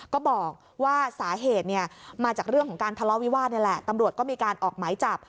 ก็บอกว่าสาเหตุเนี่ยมาจากเรื่องของการทะเลาะวิวาสนี่แหละตำรวจก็มีการออกหมายจับ